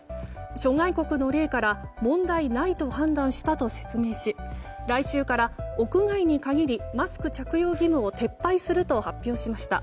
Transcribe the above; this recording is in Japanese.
諸外国の例から問題ないと判断したと説明し来週から、屋外に限りマスク着用義務を撤廃すると発表しました。